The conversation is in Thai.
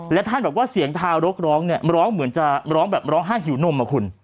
และท่านบอกว่าเสียงทารกร้องมันร้องเหมือนจะมันร้องแบบห้าหิวนมเหรอคุณ